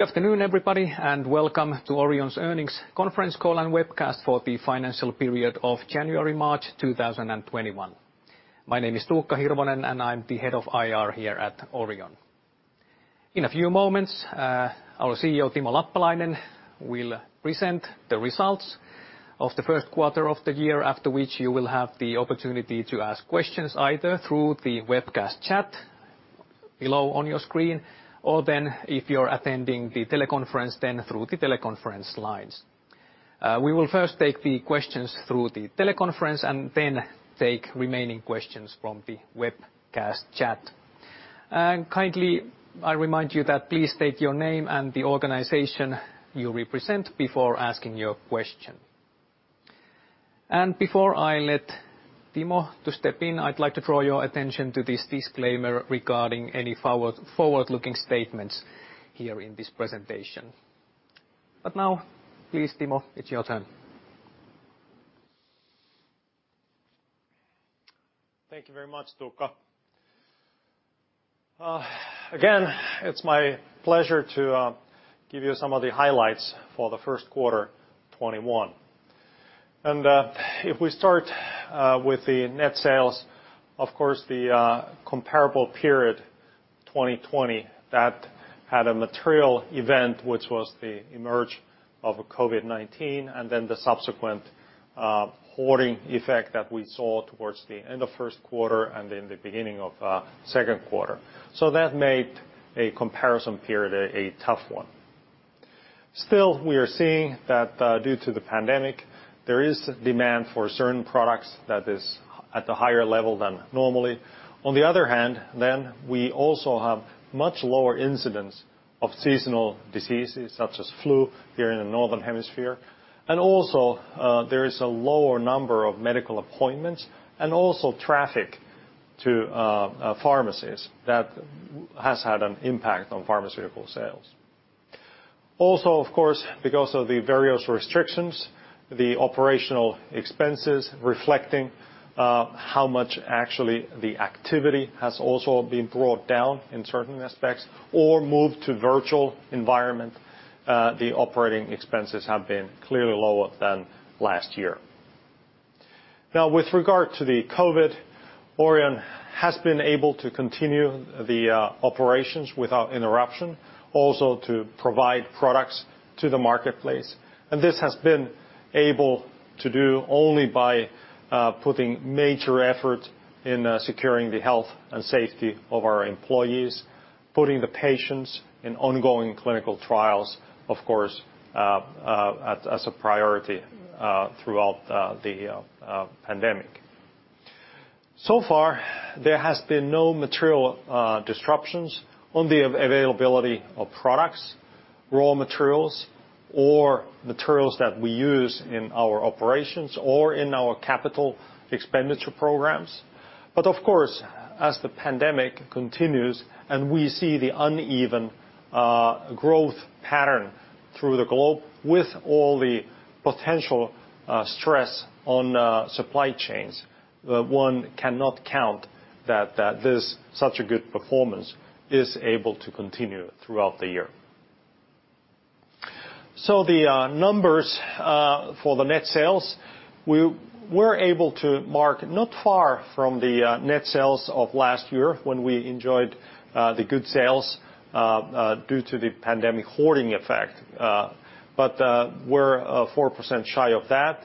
Good afternoon, everybody. Welcome to Orion's earnings conference call and webcast for the financial period of January, March 2021. My name is Tuukka Hirvonen, and I'm the Head of IR here at Orion. In a few moments, our CEO, Timo Lappalainen, will present the results of the first quarter of the year, after which you will have the opportunity to ask questions either through the webcast chat below on your screen, or then if you're attending the teleconference, then through the teleconference lines. We will first take the questions through the teleconference and then take remaining questions from the webcast chat. Kindly, I remind you that please state your name and the organization you represent before asking your question. Before I let Timo to step in, I'd like to draw your attention to this disclaimer regarding any forward-looking statements here in this presentation. Now, please, Timo, it's your turn. Thank you very much, Tuukka. It's my pleasure to give you some of the highlights for the first quarter 2021. If we start with the net sales, of course, the comparable period 2020, that had a material event, which was the emergence of COVID-19, and then the subsequent hoarding effect that we saw towards the end of first quarter and in the beginning of second quarter. That made a comparison period a tough one. Still, we are seeing that due to the pandemic, there is demand for certain products that is at a higher level than normally. On the other hand, we also have much lower incidence of seasonal diseases such as flu here in the Northern Hemisphere. Also, there is a lower number of medical appointments and also traffic to pharmacies that has had an impact on pharmaceutical sales. Of course, because of the various restrictions, the OpEx reflecting how much actually the activity has also been brought down in certain aspects or moved to virtual environment, the OpEx have been clearly lower than last year. With regard to the COVID, Orion has been able to continue the operations without interruption, also to provide products to the marketplace. This has been able to do only by putting major effort in securing the health and safety of our employees, putting the patients in ongoing clinical trials, of course, as a priority throughout the pandemic. So far, there has been no material disruptions on the availability of products, raw materials, or materials that we use in our operations or in our CapEx programs. Of course, as the pandemic continues and we see the uneven growth pattern through the globe with all the potential stress on supply chains, one cannot count that this such a good performance is able to continue throughout the year. The numbers for the net sales, we were able to mark not far from the net sales of last year when we enjoyed the good sales due to the pandemic hoarding effect, but we're 4% shy of that.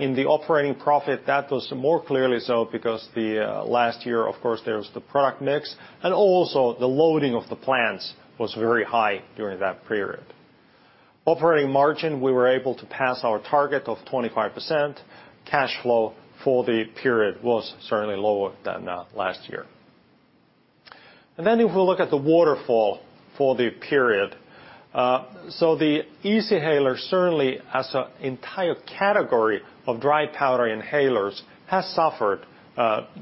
In the operating profit, that was more clearly so because the last year, of course, there was the product mix, and also the loading of the plants was very high during that period. Operating margin, we were able to pass our target of 25%. Cash flow for the period was certainly lower than last year. If we look at the waterfall for the period. The Easyhaler, certainly as an entire category of dry powder inhalers has suffered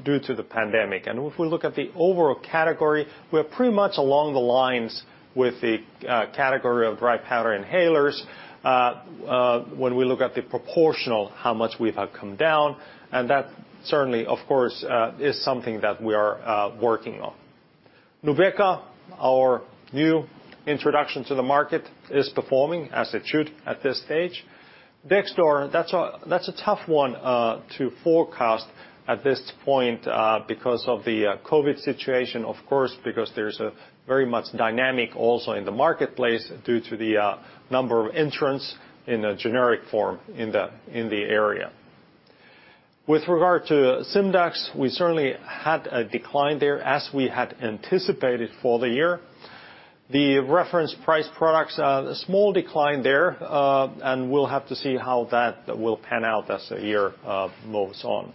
due to the pandemic. If we look at the overall category, we are pretty much along the lines with the category of dry powder inhalers when we look at the proportional how much we have come down, and that certainly, of course, is something that we are working on. Nubeqa, our new introduction to the market, is performing as it should at this stage. Dexdor, that's a tough one to forecast at this point because of the COVID-19 situation, of course, because there's a very much dynamic also in the marketplace due to the number of entrants in a generic form in the area. With regard to Simdax, we certainly had a decline there as we had anticipated for the year. The reference price products, a small decline there. We'll have to see how that will pan out as the year moves on.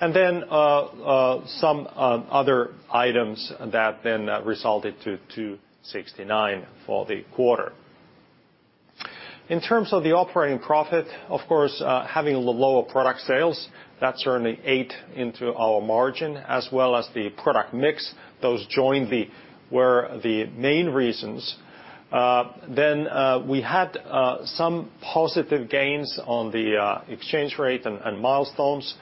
Some other items that then resulted to 269 for the quarter. In terms of the operating profit, of course, having lower product sales, that certainly ate into our margin as well as the product mix. Those joined were the main reasons. We had some positive gains on the exchange rate and milestones.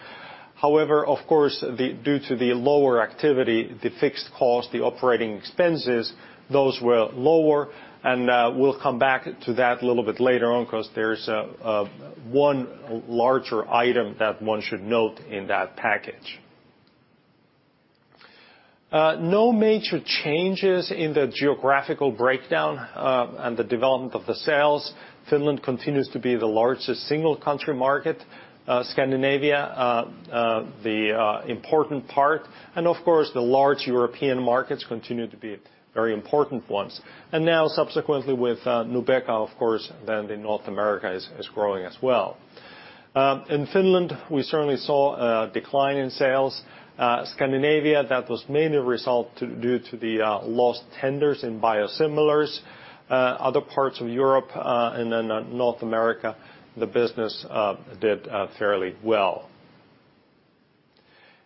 However, of course, due to the lower activity, the fixed cost, the operating expenses, those were lower. We'll come back to that a little bit later on because there's one larger item that one should note in that package. No major changes in the geographical breakdown and the development of the sales. Finland continues to be the largest single-country market. Scandinavia, the important part. Of course, the large European markets continue to be very important ones. Now subsequently with Nubeqa, of course, North America is growing as well. In Finland, we certainly saw a decline in sales. Scandinavia, that was mainly a result due to the lost tenders in biosimilars. Other parts of Europe and North America, the business did fairly well.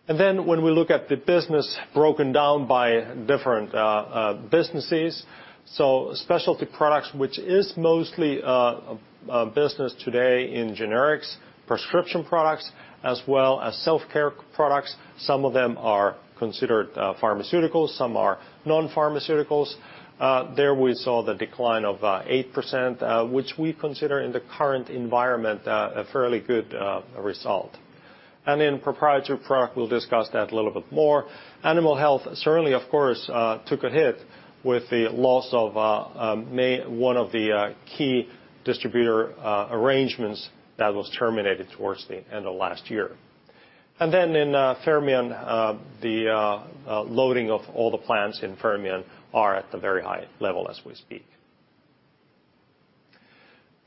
When we look at the business broken down by different businesses, specialty products, which is mostly a business today in generics, prescription products, as well as self-care products. Some of them are considered pharmaceuticals, some are non-pharmaceuticals. There we saw the decline of 8%, which we consider in the current environment a fairly good result. Proprietary product, we'll discuss that a little bit more. Animal health certainly, of course, took a hit with the loss of one of the key distributor arrangements that was terminated towards the end of last year. In Fermion, the loading of all the plants in Fermion are at the very high level as we speak.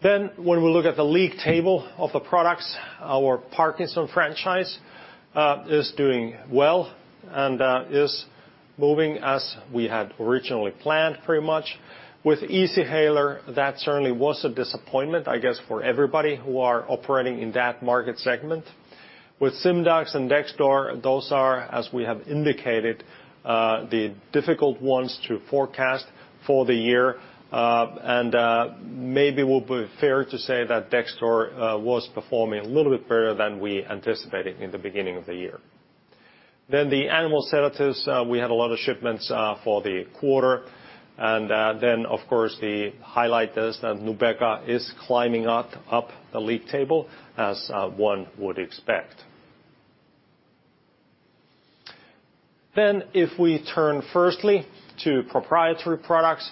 When we look at the league table of the products, our Parkinson franchise is doing well and is moving as we had originally planned pretty much. With Easyhaler, that certainly was a disappointment, I guess, for everybody who are operating in that market segment. With Simdax and Dexdor, those are, as we have indicated, the difficult ones to forecast for the year. Maybe it would be fair to say that Dexdor was performing a little bit better than we anticipated in the beginning of the year. The animal sedatives, we had a lot of shipments for the quarter. Of course, the highlight is that Nubeqa is climbing up the league table as one would expect. If we turn firstly to proprietary products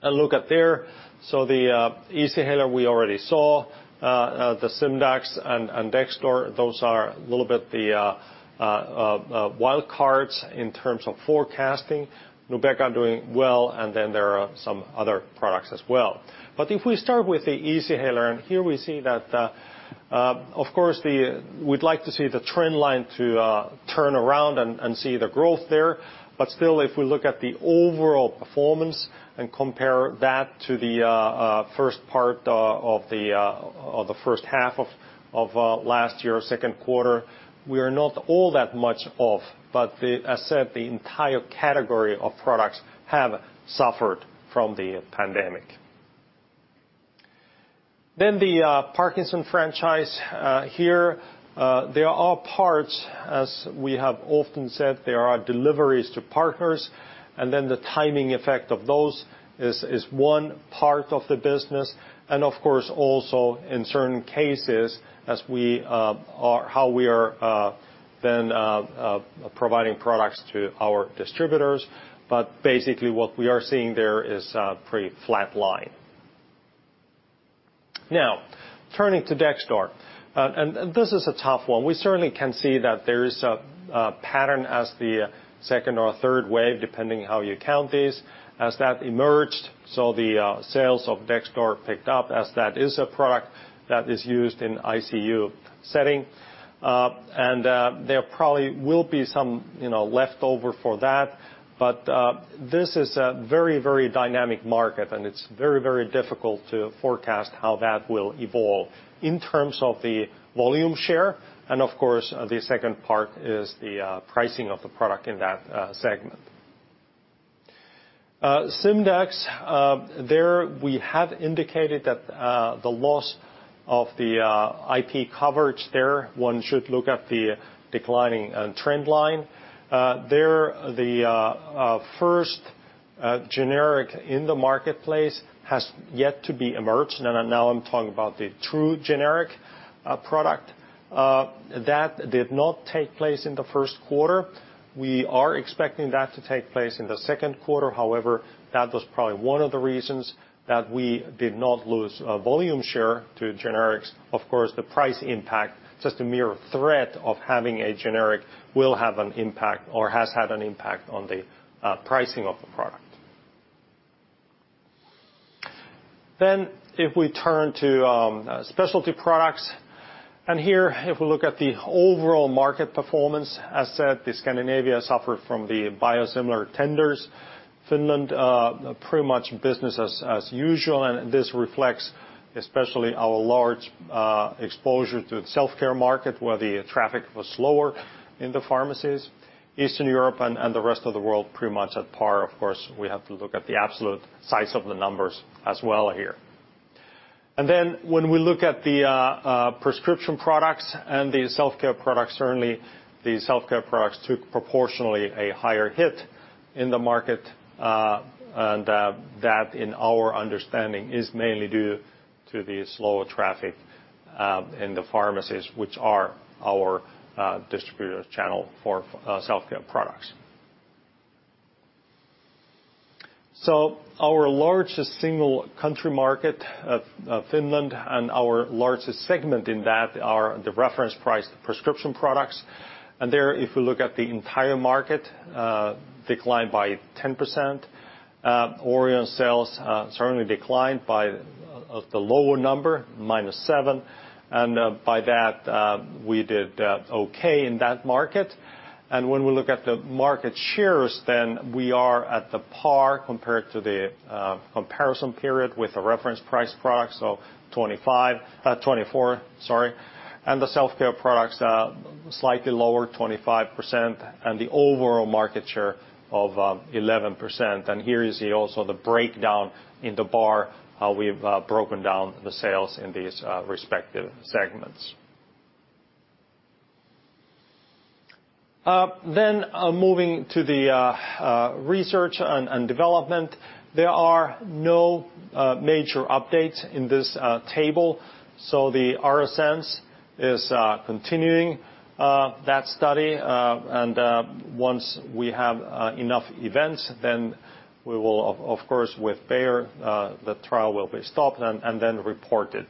and look at there, so the Easyhaler we already saw, the Simdax and Dexdor, those are a little bit the wild cards in terms of forecasting. Nubeqa doing well, there are some other products as well. If we start with the Easyhaler, we see that, of course, we'd like to see the trend line to turn around and see the growth there. If we look at the overall performance and compare that to the first half of last year or second quarter, we are not all that much off. As I said, the entire category of products have suffered from the pandemic. The Parkinson franchise here, there are parts, as we have often said, there are deliveries to partners, and the timing effect of those is one part of the business. Of course, also in certain cases, how we are then providing products to our distributors. Basically, what we are seeing there is a pretty flat line. Now, turning to Dexdor, and this is a tough one. We certainly can see that there is a pattern as the second or third wave, depending how you count these, as that emerged. The sales of Dexdor picked up as that is a product that is used in ICU setting. There probably will be some leftover for that, but this is a very dynamic market, and it's very difficult to forecast how that will evolve in terms of the volume share. Of course, the second part is the pricing of the product in that segment. Simdax, there we have indicated that the loss of the IP coverage there, one should look at the declining trend line. There, the first generic in the marketplace has yet to be emerged, and now I am talking about the true generic product. That did not take place in the first quarter. We are expecting that to take place in the second quarter. However, that was probably one of the reasons that we did not lose volume share to generics. Of course, the price impact, just the mere threat of having a generic will have an impact or has had an impact on the pricing of the product. If we turn to specialty products, and here if we look at the overall market performance, as said, Scandinavia suffered from the biosimilar tenders. Finland, pretty much business as usual, this reflects especially our large exposure to the self-care market where the traffic was slower in the pharmacies. Eastern Europe and the rest of the world, pretty much at par. Of course, we have to look at the absolute size of the numbers as well here. When we look at the prescription products and the self-care products, certainly the self-care products took proportionally a higher hit in the market, and that in our understanding is mainly due to the slower traffic in the pharmacies, which are our distributor channel for self-care products. Our largest single country market, Finland, and our largest segment in that are the reference price prescription products. There, if we look at the entire market, declined by 10%. Orion sales certainly declined by the lower number, -7%, and by that, we did okay in that market. When we look at the market shares, we are at par compared to the comparison period with the reference price products, 24%. The self-care products are slightly lower, 25%, and the overall market share of 11%. Here is also the breakdown in the bar, how we've broken down the sales in these respective segments. Moving to the research and development, there are no major updates in this table. The ARASENS is continuing that study, and once we have enough events, we will of course with Bayer, the trial will be stopped and reported.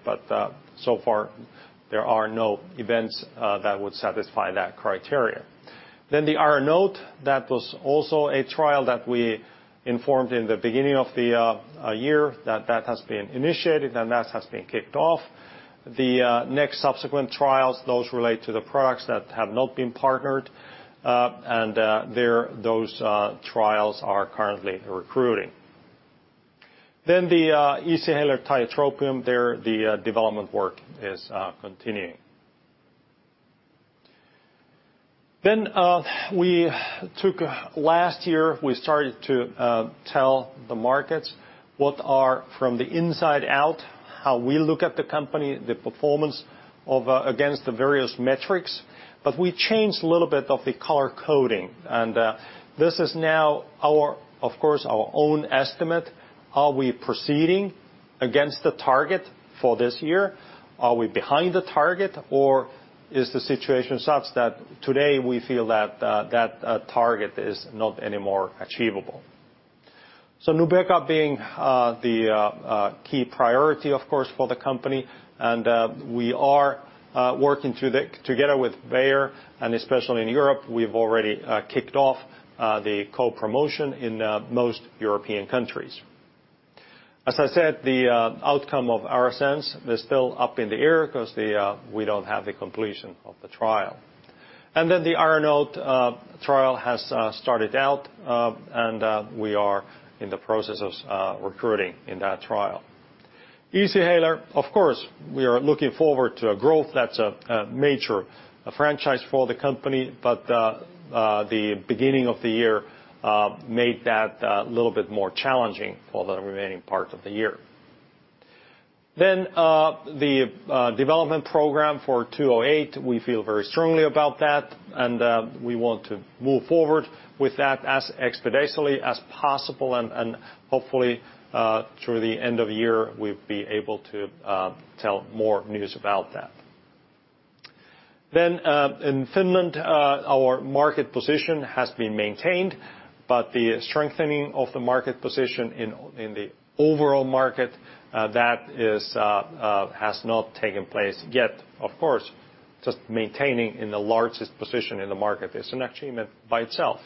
So far, there are no events that would satisfy that criteria. The ARANOTE that was also a trial that we informed in the beginning of the year that has been initiated and that has been kicked off. The next subsequent trials, those relate to the products that have not been partnered, and those trials are currently recruiting. The Easyhaler Tiotropium there the development work is continuing. Last year, we started to tell the markets what are from the inside out, how we look at the company, the performance against the various metrics. We changed a little bit of the color coding, and this is now, of course, our own estimate. Are we proceeding against the target for this year? Are we behind the target, or is the situation such that today we feel that target is not anymore achievable? Nubeqa being the key priority, of course, for the company and we are working together with Bayer and especially in Europe, we've already kicked off the co-promotion in most European countries. As I said, the outcome of ARASENS is still up in the air because we don't have the completion of the trial. The ARANOTE trial has started out, and we are in the process of recruiting in that trial. Easyhaler, of course, we are looking forward to growth that's a major franchise for the company, the beginning of the year made that a little bit more challenging for the remaining part of the year. The development program for 208, we feel very strongly about that and we want to move forward with that as expeditiously as possible, and hopefully, through the end of the year, we'll be able to tell more news about that. In Finland, our market position has been maintained, the strengthening of the market position in the overall market has not taken place yet. Of course, just maintaining in the largest position in the market is an achievement by itself.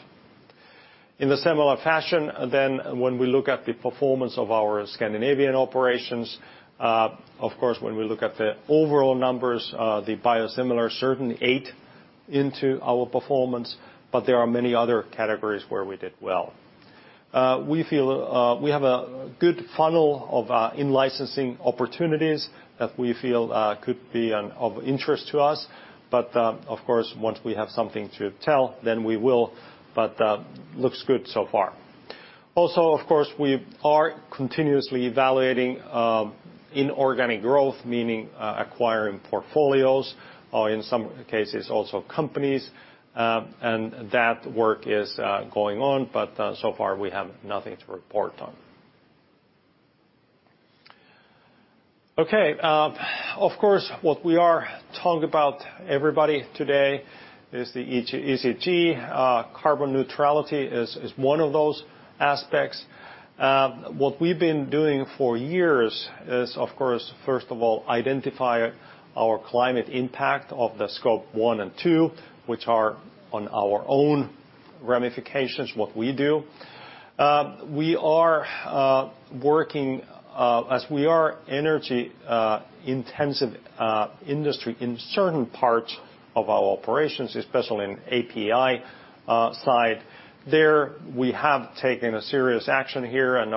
In a similar fashion then when we look at the performance of our Scandinavian operations, of course, when we look at the overall numbers, the biosimilar certainly ate into our performance, but there are many other categories where we did well. We feel we have a good funnel of in-licensing opportunities that we feel could be of interest to us. Of course, once we have something to tell, then we will, but looks good so far. Of course, we are continuously evaluating inorganic growth, meaning acquiring portfolios or in some cases also companies, and that work is going on, but so far we have nothing to report on. Okay. Of course, what we are talking about everybody today is the ESG. Carbon neutrality is one of those aspects. What we've been doing for years is, of course, first of all, identify our climate impact of the Scope 1 and 2, which are on our own ramifications, what we do. We are working as we are energy-intensive industry in certain parts of our operations, especially in API side. There we have taken a serious action here and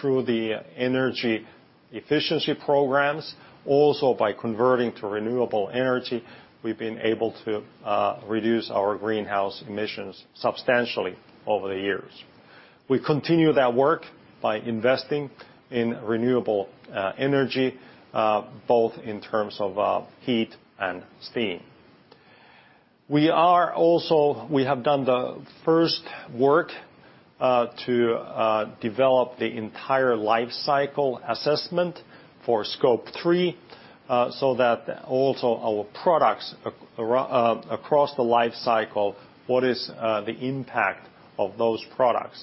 through the energy efficiency programs, also by converting to renewable energy, we've been able to reduce our greenhouse emissions substantially over the years. We continue that work by investing in renewable energy, both in terms of heat and steam. We have done the first work to develop the entire life cycle assessment for Scope 3, so that also our products across the life cycle, what is the impact of those products.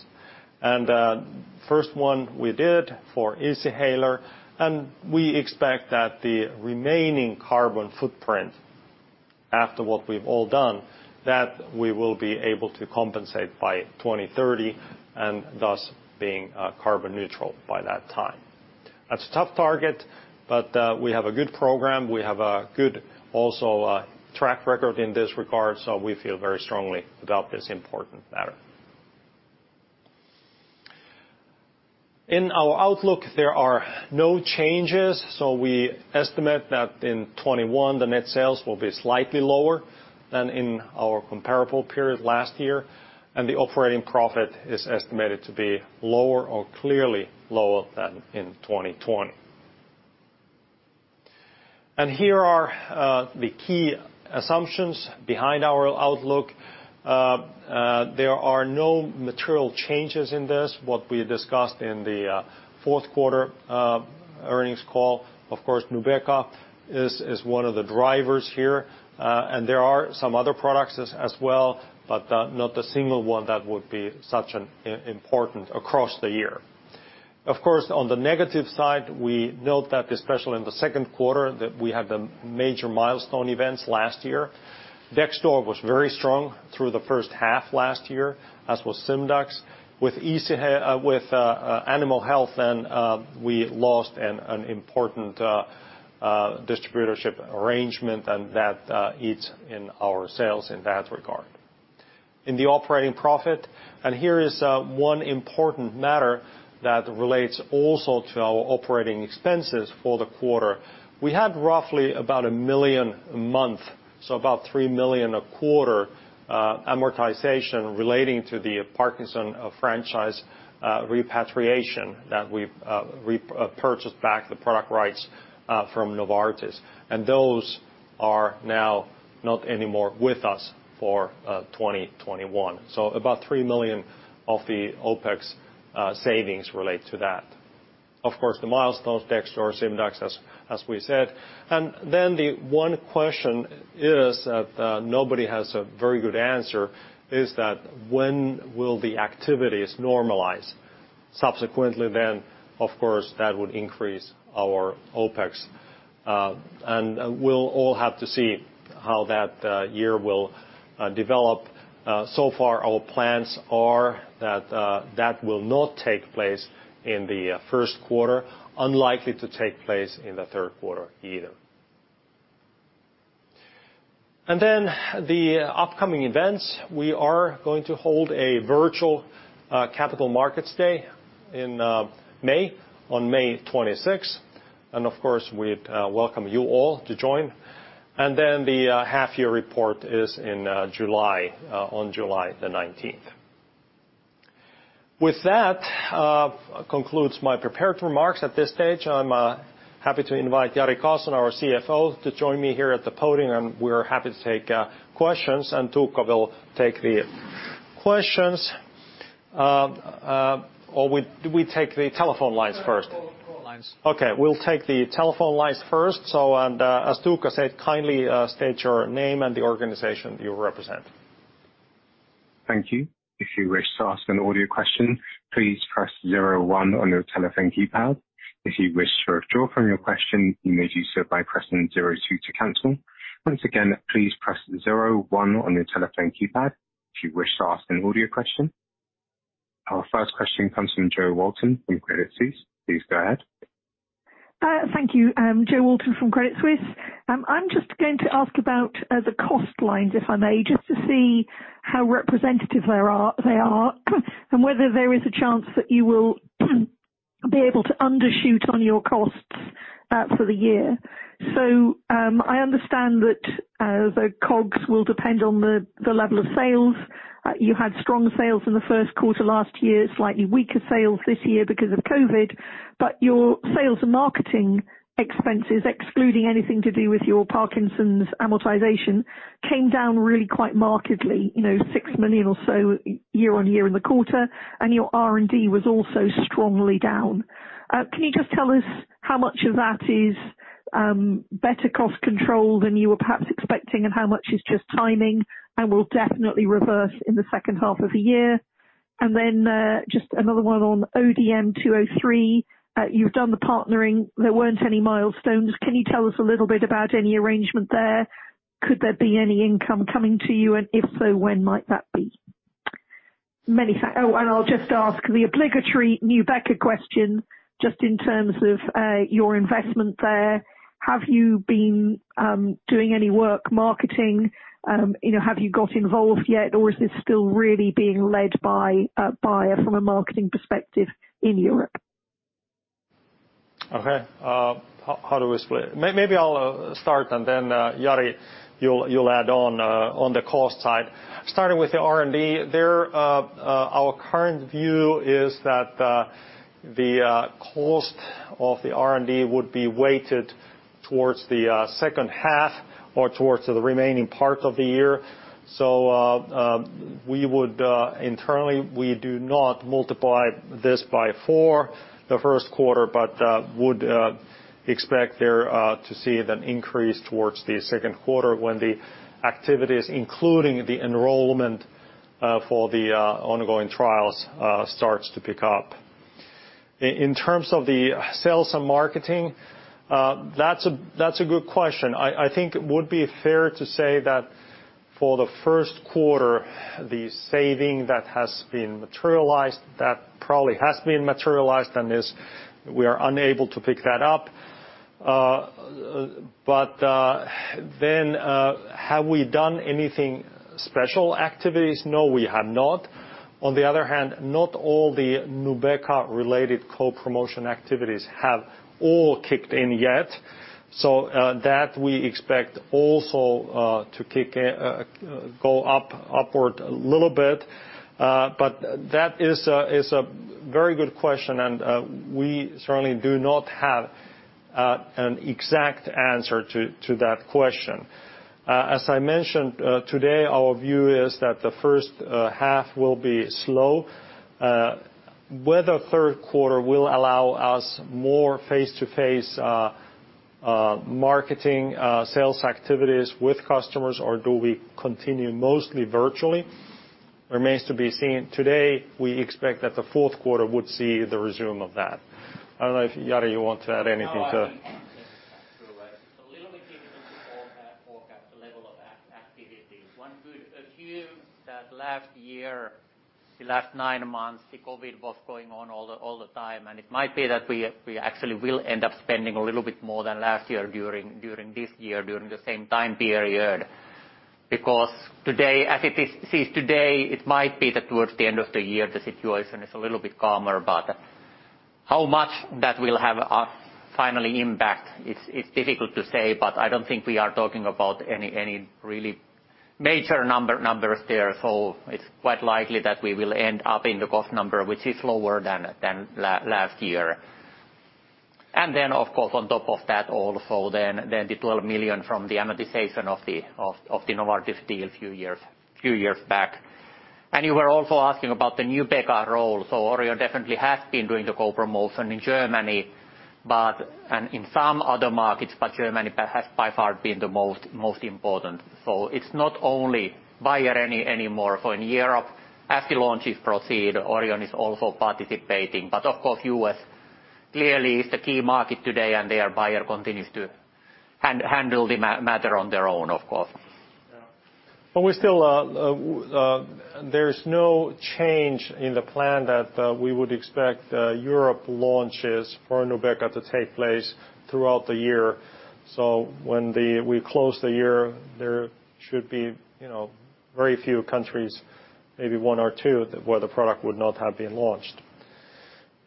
First one we did for Easyhaler, and we expect that the remaining carbon footprint after what we've all done, that we will be able to compensate by 2030 and thus being carbon neutral by that time. That's a tough target, but we have a good program. We have a good, also track record in this regard, so we feel very strongly about this important matter. In our outlook, there are no changes. We estimate that in 2021, the net sales will be slightly lower than in our comparable period last year, and the operating profit is estimated to be lower or clearly lower than in 2020. Here are the key assumptions behind our outlook. There are no material changes in this, what we discussed in the fourth quarter earnings call. Of course, Nubeqa is one of the drivers here. There are some other products as well, but not a single one that would be such an important across the year. Of course, on the negative side, we note that especially in the second quarter that we had the major milestone events last year. Dexdor was very strong through the first half last year, as was Simdax. With Animal Health, we lost an important distributorship arrangement and that eats in our sales in that regard. In the operating profit, here is one important matter that relates also to our operating expenses for the quarter. We had roughly about 1 million a month, so about 3 million a quarter amortization relating to the Parkinson's disease franchise repatriation that we purchased back the product rights from Novartis. Those are now not anymore with us for 2021. About 3 million of the OpEx savings relate to that. Of course, the milestones, Dexdor or Simdax, as we said. The one question is that nobody has a very good answer, is that when will the activities normalize? Of course, that would increase our OpEx. We'll all have to see how that year will develop. So far our plans are that that will not take place in the first quarter, unlikely to take place in the third quarter either. The upcoming events, we are going to hold a virtual Capital Markets Day in May, on May 26th. Of course, we'd welcome you all to join. The half year report is in July, on July 19th. With that, concludes my prepared remarks. At this stage, I'm happy to invite Jari Karlson, our CFO, to join me here at the podium. We're happy to take questions. Tuukka will take the questions. Do we take the telephone lines first? Call lines. Okay, we'll take the telephone lines first. As Tuukka said, kindly state your name and the organization you represent. Thank you. If you wish to ask an audio question, please press zero one on your telephone keypad. If you wish to withdraw from your question, you may do so by pressing zero two to cancel. Once again, please press zero one on your telephone keypad if you wish to ask an audio question. Our first question comes from Jo Walton from Credit Suisse. Please go ahead. Thank you. Jo Walton from Credit Suisse. I'm just going to ask about the cost lines, if I may, just to see how representative they are and whether there is a chance that you will be able to undershoot on your costs for the year. I understand that the COGS will depend on the level of sales. You had strong sales in the first quarter last year, slightly weaker sales this year because of COVID, your sales and marketing expenses, excluding anything to do with your Parkinson's amortization, came down really quite markedly, six million or so year-over-year in the quarter, and your R&D was also strongly down. Can you just tell us how much of that is better cost control than you were perhaps expecting, and how much is just timing and will definitely reverse in the second half of the year? Just another one on ODM-203. You've done the partnering. There weren't any milestones. Can you tell us a little bit about any arrangement there? Could there be any income coming to you, and if so, when might that be? Many thanks. I'll just ask the obligatory Nubeqa question, just in terms of your investment there. Have you been doing any work marketing? Have you got involved yet, or is this still really being led by Bayer from a marketing perspective in Europe? Okay. How do we split? Maybe I'll start and then Jari, you'll add on the cost side. Starting with the R&D, our current view is that the cost of the R&D would be weighted towards the second half or towards the remaining part of the year. Internally, we do not multiply this by four the first quarter, but would expect there to see an increase towards the second quarter when the activities, including the enrollment for the ongoing trials, starts to pick up. In terms of the sales and marketing, that's a good question. I think it would be fair to say that for the first quarter, the saving that has been materialized, that probably has been materialized and we are unable to pick that up. Have we done anything special activities? No, we have not. Not all the Nubeqa related co-promotion activities have all kicked in yet. That we expect also to go upward a little bit. That is a very good question, and we certainly do not have an exact answer to that question. As I mentioned today, our view is that the first half will be slow. Whether third quarter will allow us more face-to-face marketing sales activities with customers or do we continue mostly virtually remains to be seen. Today, we expect that the fourth quarter would see the resume of that. I don't know if, Jari, you want to add anything to that. No, I think that's true. It's a little bit difficult to forecast the level of activities. One could assume that last year, the last nine months, the COVID was going on all the time, and it might be that we actually will end up spending a little bit more than last year during this year, during the same time period. As it is today, it might be that towards the end of the year, the situation is a little bit calmer, but how much that will have a final impact, it's difficult to say, but I don't think we are talking about any really major numbers there. So it's quite likely that we will end up in the cost number, which is lower than last year. Then, of course, on top of that also then the 12 million from the amortization of the Novartis deal a few years back. You were also asking about the Nubeqa role. Orion definitely has been doing the co-promotion in Germany and in some other markets, but Germany has by far been the most important. It's not only Bayer anymore. In Europe, as the launches proceed, Orion is also participating. Of course, U.S. clearly is the key market today, and there, Bayer continues to handle the matter on their own, of course. There's no change in the plan that we would expect Europe launches for Nubeqa to take place throughout the year. When we close the year, there should be very few countries, maybe one or two, where the product would not have been launched.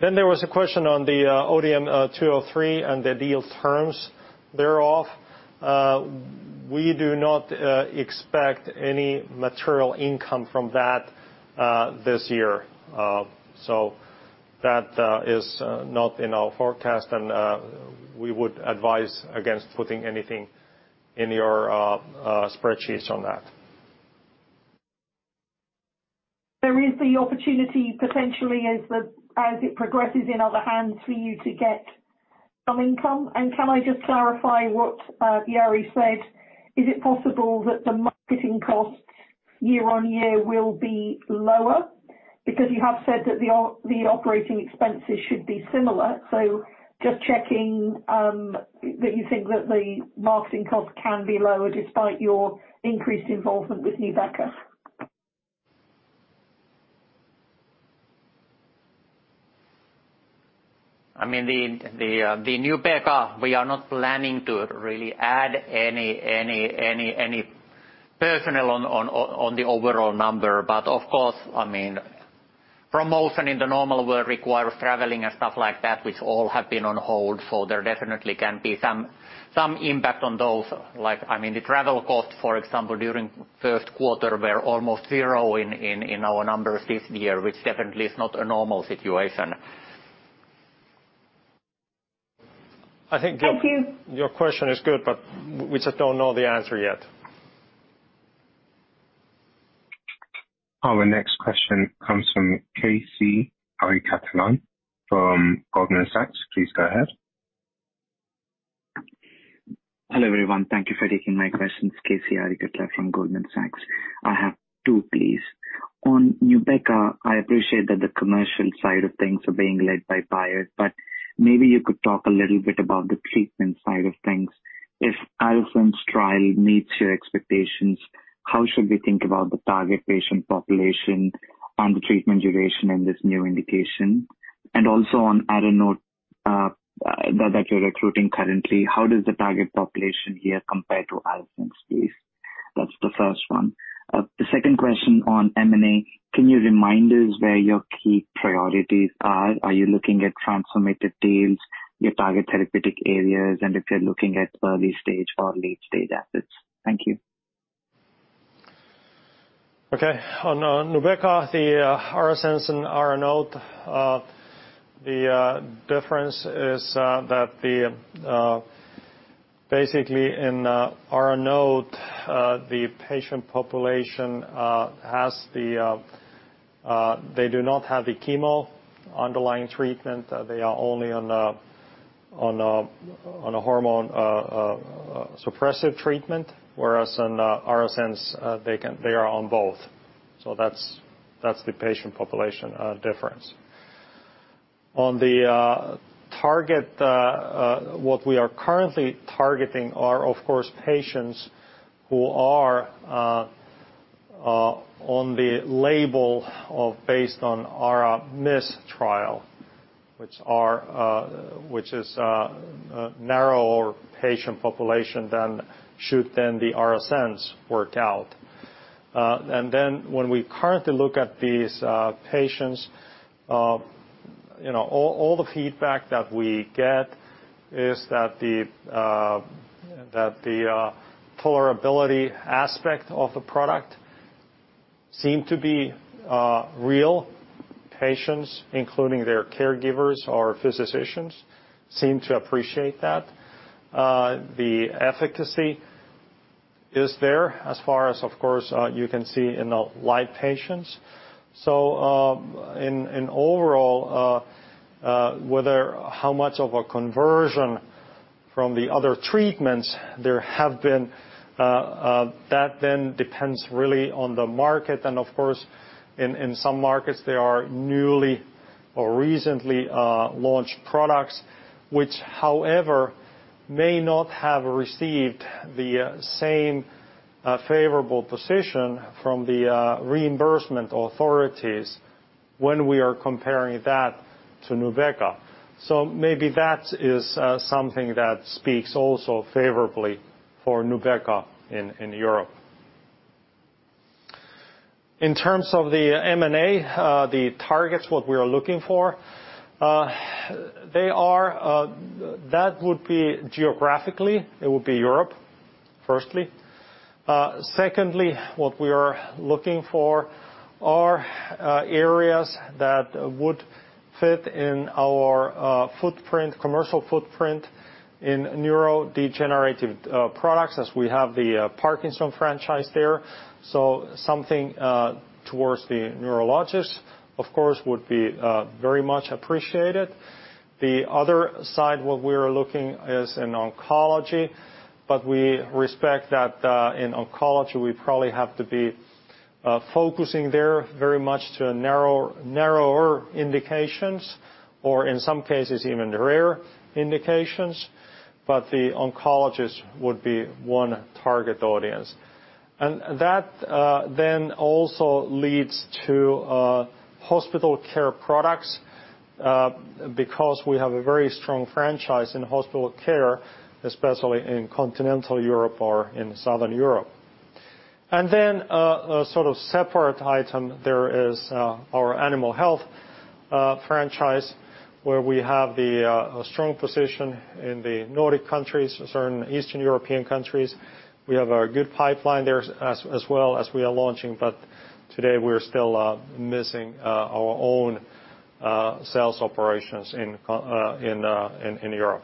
There was a question on the ODM-203 and the deal terms thereof. We do not expect any material income from that this year. That is not in our forecast, and we would advise against putting anything in your spreadsheets on that. There is the opportunity, potentially as it progresses in other hands for you to get some income. Can I just clarify what Jari said? Is it possible that the marketing costs year-on-year will be lower? You have said that the operating expenses should be similar. Just checking that you think that the marketing cost can be lower despite your increased involvement with Nubeqa. The Nubeqa, we are not planning to really add any personnel on the overall number. Of course, promotion in the normal world requires traveling and stuff like that, which all have been on hold. There definitely can be some impact on those. The travel cost, for example, during first quarter were almost zero in our numbers this year, which definitely is not a normal situation. Thank you. I think your question is good, but we just don't know the answer yet. Our next question comes from [Casey Ariketnan] from Goldman Sachs. Please go ahead. Hello, everyone. Thank you for taking my questions. [Casey Ariketnan] from Goldman Sachs. I have two, please. On Nubeqa, I appreciate that the commercial side of things are being led by Bayer, but maybe you could talk a little bit about the treatment side of things. If ARASENS trial meets your expectations, how should we think about the target patient population and the treatment duration in this new indication? Also on ARANOTE that you're recruiting currently, how does the target population here compare to ARASENS case? That's the first one. The second question on M&A, can you remind us where your key priorities are? Are you looking at transformative deals, your target therapeutic areas, and if you're looking at early stage or late stage assets? Thank you. Okay. On Nubeqa, the ARASENS and ARANOTE, the difference is that basically in ARANOTE, the patient population do not have the chemo underlying treatment. They are only on a hormone suppressive treatment, whereas in ARASENS, they are on both. That's the patient population difference. On the target, what we are currently targeting are of course, patients who are on the label based on ARAMIS trial, which is a narrower patient population than should then the ARASENS work out. When we currently look at these patients, all the feedback that we get is that the tolerability aspect of the product seem to be real. Patients, including their caregivers or physicians, seem to appreciate that. The efficacy is there as far as, of course, you can see in the live patients. In overall, whether how much of a conversion from the other treatments there have been, that then depends really on the market. Of course, in some markets, they are newly or recently launched products, which however, may not have received the same favorable position from the reimbursement authorities when we are comparing that to Nubeqa. Maybe that is something that speaks also favorably for Nubeqa in Europe. In terms of the M&A, the targets, what we are looking for, that would be geographically, it would be Europe, firstly. Secondly, what we are looking for are areas that would fit in our commercial footprint in neurodegenerative products as we have the Parkinson's franchise there. Something towards the neurologists, of course, would be very much appreciated. The other side, what we are looking is in oncology, but we respect that in oncology, we probably have to be focusing there very much to narrower indications or in some cases even rare indications, but the oncologist would be one target audience. That then also leads to hospital care products, because we have a very strong franchise in hospital care, especially in continental Europe or in Southern Europe. Then a sort of separate item there is our animal health franchise, where we have the strong position in the Nordic countries, certain Eastern European countries. We have a good pipeline there as well as we are launching, but today we're still missing our own sales operations in Europe.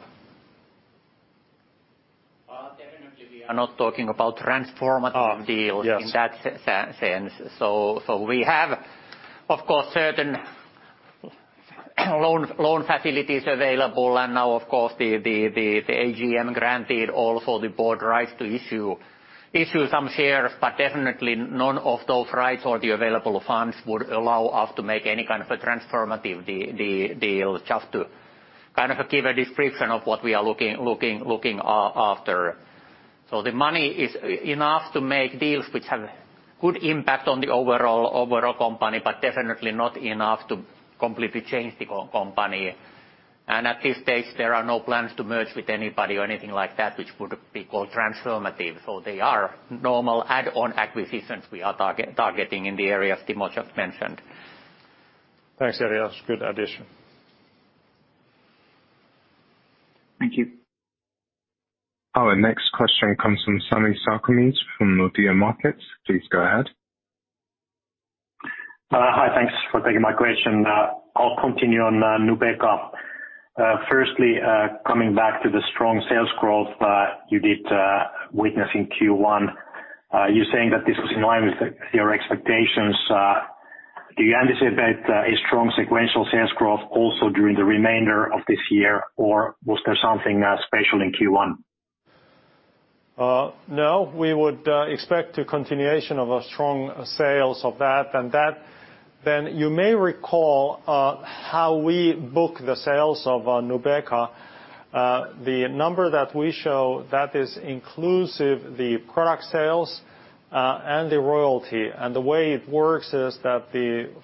Definitely we are not talking about transformative deals. Yes in that sense. We have, of course, certain loan facilities available, and now, of course, the AGM granted also the board rights to issue some shares, but definitely none of those rights or the available funds would allow us to make any kind of a transformative deal, just to give a description of what we are looking after. The money is enough to make deals which have good impact on the overall company, but definitely not enough to completely change the company. At this stage, there are no plans to merge with anybody or anything like that, which would be called transformative. They are normal add-on acquisitions we are targeting in the areas Timo just mentioned. Thanks, Jari, that's a good addition. Thank you. Our next question comes from Sami Sarkamies from Nordea Markets. Please go ahead. Hi, thanks for taking my question. I'll continue on Nubeqa. Firstly, coming back to the strong sales growth that you did witness in Q1. You're saying that this was in line with your expectations. Do you anticipate a strong sequential sales growth also during the remainder of this year, or was there something special in Q1? We would expect a continuation of a strong sales of that. You may recall how we book the sales of Nubeqa. The number that we show that is inclusive the product sales and the royalty. The way it works is that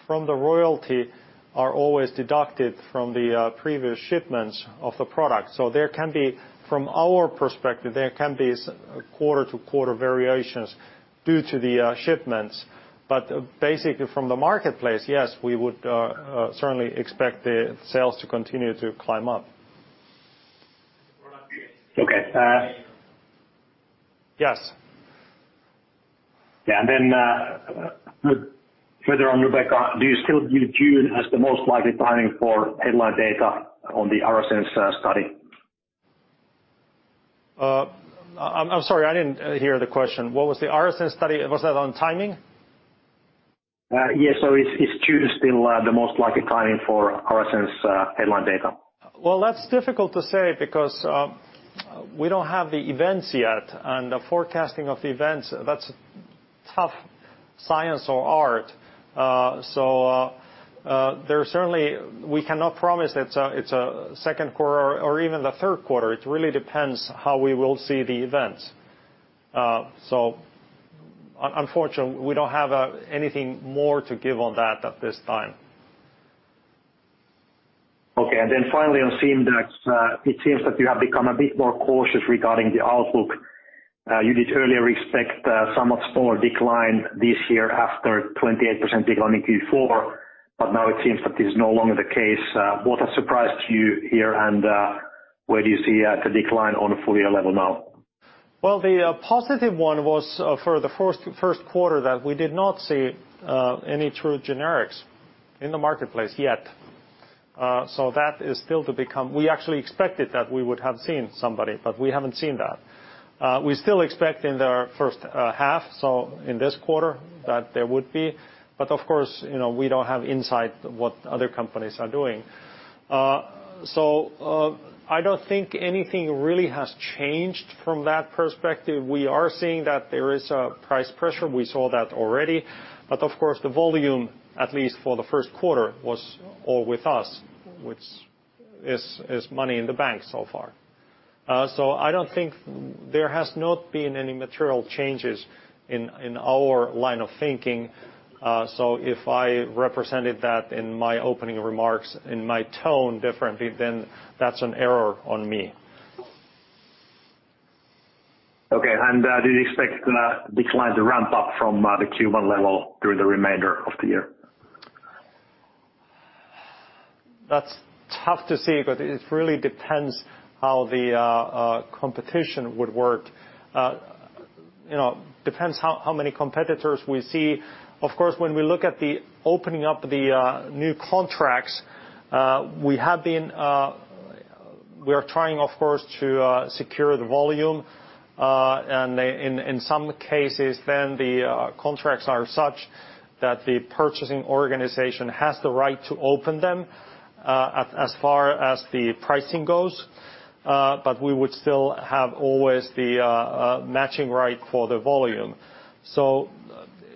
from the royalty are always deducted from the previous shipments of the product. From our perspective, there can be quarter-to-quarter variations due to the shipments. Basically from the marketplace, yes, we would certainly expect the sales to continue to climb up. Okay. Yes. Yeah. Further on Nubeqa, do you still view June as the most likely timing for headline data on the ARASENS study? I'm sorry, I didn't hear the question. What was the ARASENS study? Was that on timing? Yes. Is June still the most likely timing for ARASENS headline data? Well, that's difficult to say because we don't have the events yet, and the forecasting of the events, that's tough science or art. There certainly we cannot promise it's second quarter or even the third quarter. It really depends how we will see the events. Unfortunately, we don't have anything more to give on that at this time. Okay. Finally on Simdax, it seems that you have become a bit more cautious regarding the outlook. You did earlier expect somewhat smaller decline this year after 28% decline in Q4. Now it seems that is no longer the case. What has surprised you here? Where do you see the decline on a full year level now? Well, the positive one was for the first quarter that we did not see any true generics in the marketplace yet. That is still to become. We actually expected that we would have seen somebody, but we haven't seen that. We still expect in the first half, so in this quarter that there would be, but of course, we don't have insight what other companies are doing. I don't think anything really has changed from that perspective. We are seeing that there is a price pressure. We saw that already. Of course, the volume, at least for the first quarter was all with us, which is money in the bank so far. I don't think there has not been any material changes in our line of thinking. If I represented that in my opening remarks, in my tone differently, then that's an error on me. Okay, do you expect decline to ramp up from the Q1 level through the remainder of the year? That's tough to say, it really depends how the competition would work. Depends how many competitors we see. Of course, when we look at the opening up the new contracts, we are trying, of course, to secure the volume, and in some cases, the contracts are such that the purchasing organization has the right to open them as far as the pricing goes. We would still have always the matching right for the volume.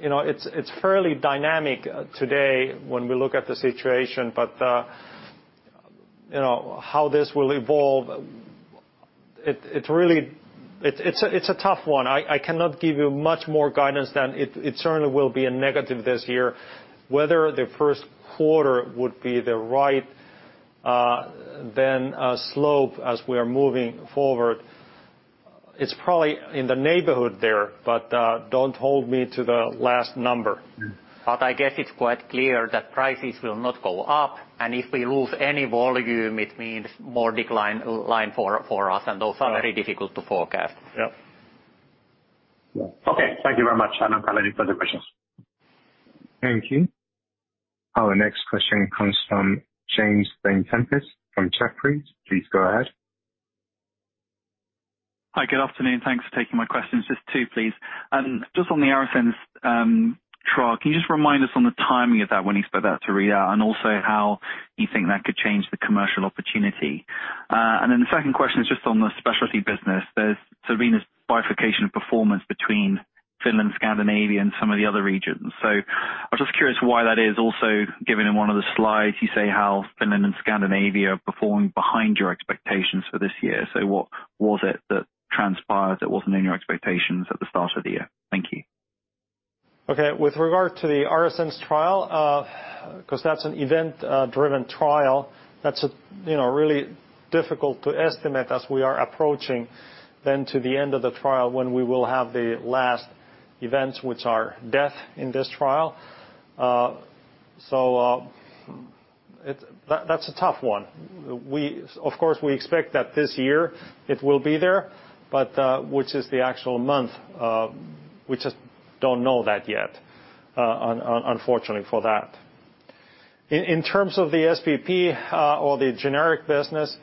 It's fairly dynamic today when we look at the situation, but how this will evolve, it's a tough one. I cannot give you much more guidance than it certainly will be a negative this year. Whether the first quarter would be the right slope as we are moving forward, it's probably in the neighborhood there, but don't hold me to the last number. I guess it's quite clear that prices will not go up, and if we lose any volume, it means more decline line for us, and those are very difficult to forecast. Yep. Okay. Thank you very much. I'm done with further questions. Thank you. Our next question comes from James Vane-Tempest from Jefferies. Please go ahead. Hi. Good afternoon. Thanks for taking my questions. Just two, please. On the ARASENS trial, can you just remind us on the timing of that when you expect that to read out? Also how you think that could change the commercial opportunity. The second question is just on the specialty business. There's been this bifurcation of performance between Finland, Scandinavia, and some of the other regions. I'm just curious why that is also given in one of the slides you say how Finland and Scandinavia are performing behind your expectations for this year. What was it that transpired that wasn't in your expectations at the start of the year? Thank you. With regard to the ARASENS trial because that's an event driven trial, that's really difficult to estimate as we are approaching then to the end of the trial when we will have the last events which are death in this trial. That's a tough one. We expect that this year it will be there, but which is the actual month, we just don't know that yet unfortunately for that. In terms of the SVP or the generic business,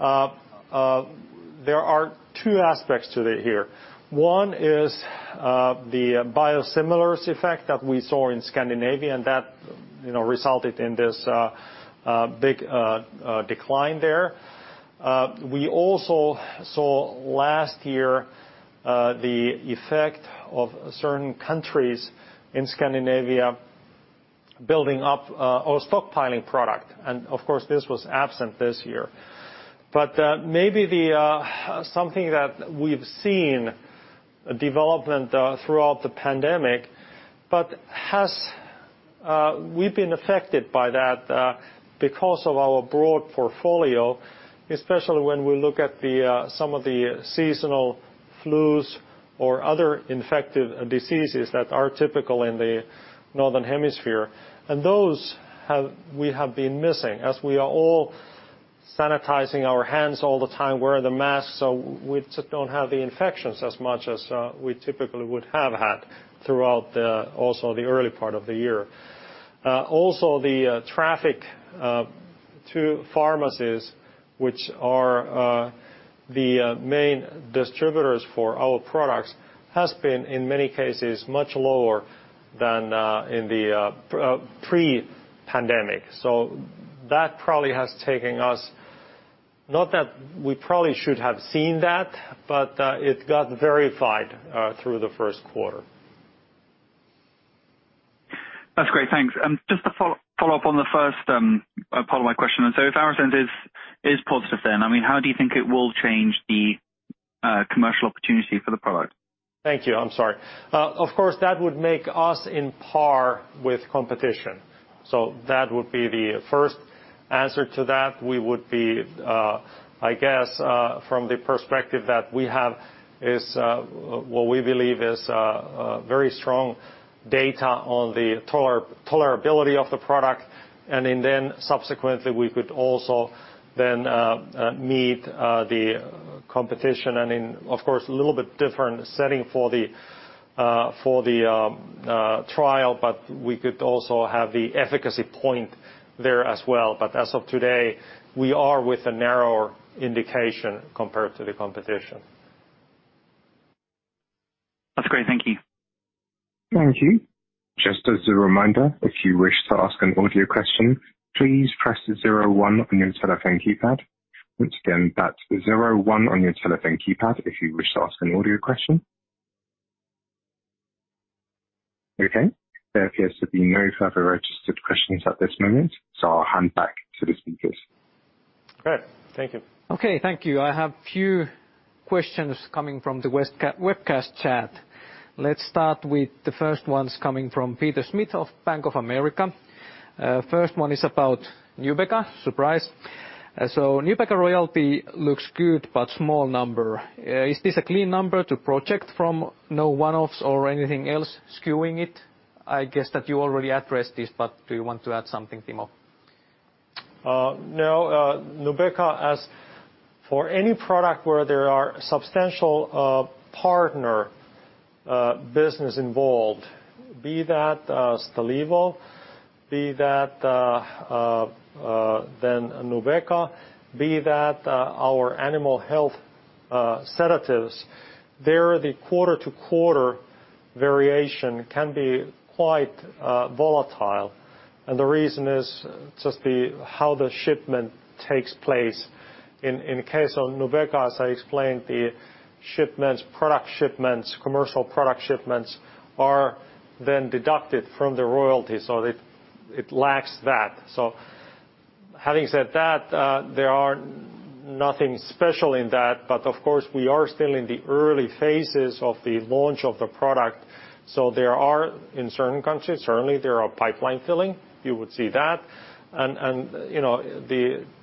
there are two aspects to it here. One is the biosimilars effect that we saw in Scandinavia, and that resulted in this big decline there. We also saw last year the effect of certain countries in Scandinavia building up or stockpiling product, and of course, this was absent this year. Maybe something that we've seen development throughout the pandemic, but we've been affected by that because of our broad portfolio, especially when we look at some of the seasonal flus or other infective diseases that are typical in the Northern Hemisphere. Those we have been missing as we are all sanitizing our hands all the time, wearing the masks, so we just don't have the infections as much as we typically would have had throughout also the early part of the year. Also, the traffic to pharmacies, which are the main distributors for our products, has been, in many cases, much lower than in the pre-pandemic. That probably has taken us, not that we probably should have seen that, but it got verified through the first quarter. That's great. Thanks. Just to follow up on the first part of my question. If ARAMIS is positive then, how do you think it will change the commercial opportunity for the product? Thank you. I'm sorry. Of course, that would make us in par with competition. That would be the first answer to that. We would be, I guess, from the perspective that we have is what we believe is very strong data on the tolerability of the product. In then subsequently, we could also then meet the competition and in, of course, a little bit different setting for the trial, but we could also have the efficacy point there as well. As of today, we are with a narrower indication compared to the competition. That's great. Thank you. Thank you. Just as a reminder, if you wish to ask an audio question, please press the zero one on your telephone keypad. Once again, that's the zero one on your telephone keypad if you wish to ask an audio question. Okay. There appears to be no further registered questions at this moment, so I'll hand back to the speakers. Great. Thank you. Okay. Thank you. I have few questions coming from the webcast chat. Let's start with the first ones coming from Peter Smith of Bank of America. First one is about Nubeqa, surprise. Nubeqa royalty looks good, but small number. Is this a clean number to project from, no one-offs or anything else skewing it? I guess that you already addressed this, but do you want to add something, Timo? No. Nubeqa, as for any product where there are substantial partner business involved, be that Stalevo, be that Nubeqa, be that our animal health sedatives, there, the quarter-to-quarter variation can be quite volatile. The reason is just how the shipment takes place. In case of Nubeqa, as I explained, the shipments, product shipments, commercial product shipments are then deducted from the royalty. It lacks that. Having said that, there are nothing special in that, but of course, we are still in the early phases of the launch of the product. There are, in certain countries, certainly there are pipeline filling. You would see that.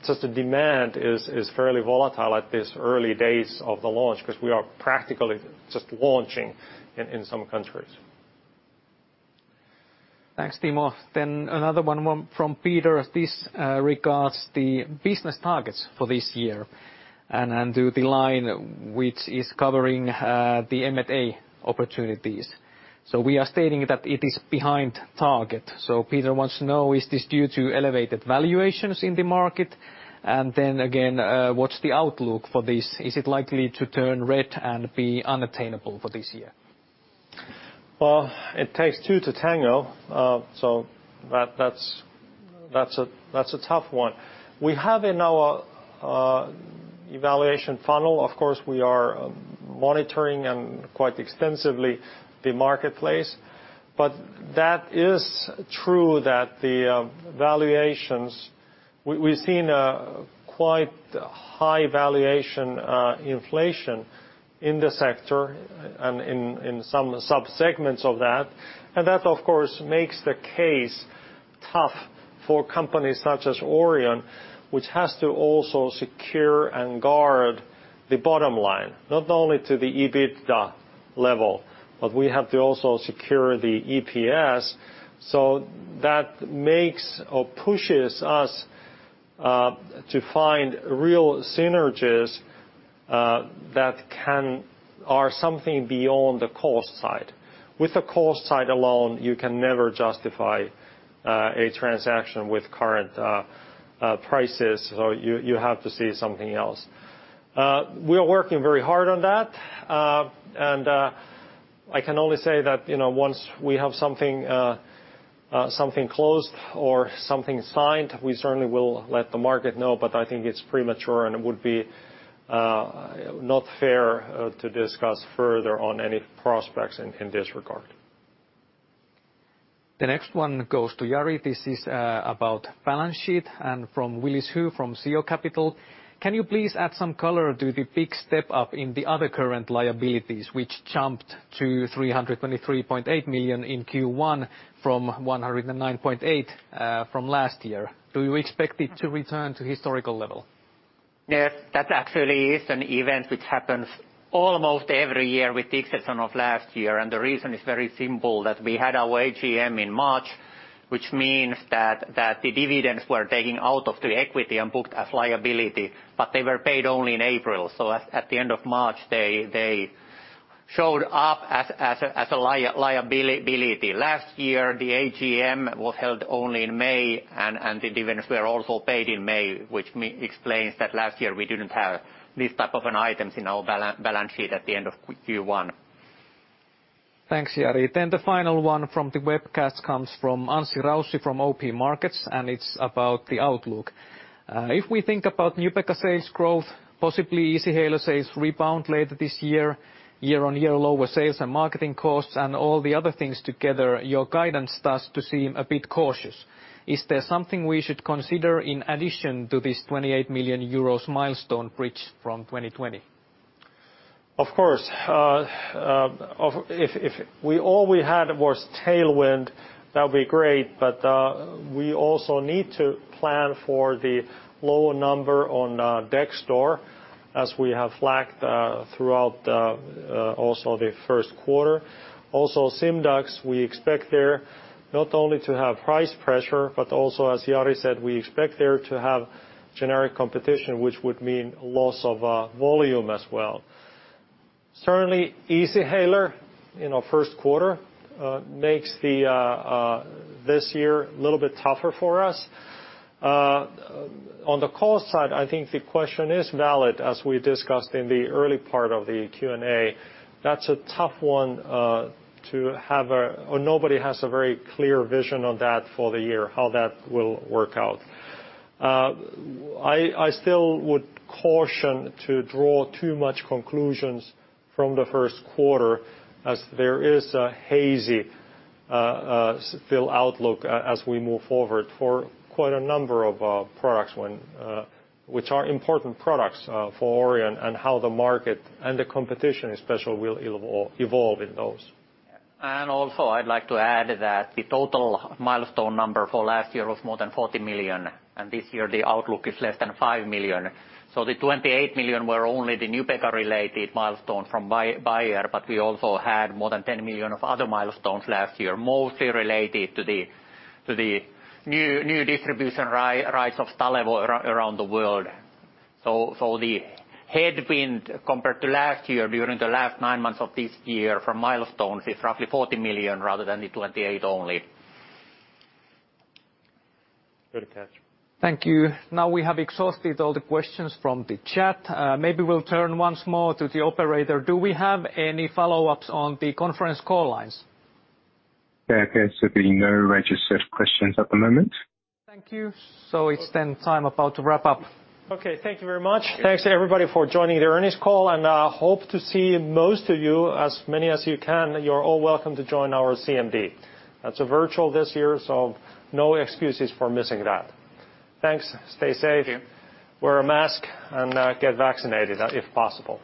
Just the demand is fairly volatile at this early days of the launch because we are practically just launching in some countries. Thanks, Timo. Another one from Peter. This regards the business targets for this year and to the line which is covering the M&A opportunities. We are stating that it is behind target. Peter wants to know, is this due to elevated valuations in the market? What's the outlook for this? Is it likely to turn red and be unattainable for this year? Well, it takes two to tango, that's a tough one. We have in our evaluation funnel, of course, we are monitoring, and quite extensively, the marketplace. That is true that the valuations, we've seen a quite high valuation inflation in the sector and in some subsegments of that. That, of course, makes the case tough for companies such as Orion, which has to also secure and guard the bottom line, not only to the EBITDA level, but we have to also secure the EPS. That makes or pushes us to find real synergies that are something beyond the cost side. With the cost side alone, you can never justify a transaction with current prices, you have to see something else. We are working very hard on that. I can only say that once we have something closed or something signed, we certainly will let the market know. I think it's premature and it would be not fair to discuss further on any prospects in this regard. The next one goes to Jari. This is about balance sheet and from Willis Hu from Sio Capital. Can you please add some color to the big step-up in the other current liabilities, which jumped to 323.8 million in Q1 from 109.8 million from last year? Do you expect it to return to historical level? Yes, that actually is an event which happens almost every year with the exception of last year. The reason is very simple, that we had our AGM in March, which means that the dividends were taken out of the equity and booked as liability, but they were paid only in April. At the end of March, they showed up as a liability. Last year, the AGM was held only in May, and the dividends were also paid in May, which explains that last year we didn't have these type of items in our balance sheet at the end of Q1. Thanks, Jari. The final one from the webcast comes from Anssi Raussi from OP Corporate Bank. It's about the outlook. If we think about Nubeqa sales growth, possibly Easyhaler sales rebound later this year-on-year lower sales and marketing costs, and all the other things together, your guidance starts to seem a bit cautious. Is there something we should consider in addition to this 28 million euros milestone reached from 2020? Of course. If all we had was tailwind, that would be great, but we also need to plan for the lower number on Dexdor as we have lacked throughout also the first quarter. Also Simdax, we expect there not only to have price pressure, but also, as Jari said, we expect there to have generic competition, which would mean loss of volume as well. Certainly Easyhaler in our first quarter makes this year a little bit tougher for us. On the cost side, I think the question is valid, as we discussed in the early part of the Q&A. Nobody has a very clear vision on that for the year, how that will work out. I still would caution to draw too much conclusions from the first quarter as there is a hazy still outlook as we move forward for quite a number of products, which are important products for Orion and how the market and the competition especially will evolve in those. Also, I'd like to add that the total milestone number for last year was more than 40 million, and this year the outlook is less than 5 million. The 28 million were only the Nubeqa-related milestone from Bayer, but we also had more than 10 million of other milestones last year, mostly related to the new distribution rights of Stalevo around the world. The headwind compared to last year during the last nine months of this year from milestones is roughly 40 million rather than the 28 only. Good catch. Thank you. Now we have exhausted all the questions from the chat. Maybe we'll turn once more to the operator. Do we have any follow-ups on the conference call lines? There appears to be no registered questions at the moment. Thank you. It's then time about to wrap up. Okay, thank you very much. Thanks, everybody, for joining the earnings call, and I hope to see most of you, as many as you can. You are all welcome to join our CMD. It is virtual this year, so no excuses for missing that. Thanks. Stay safe. Thank you. Wear a mask and get vaccinated if possible.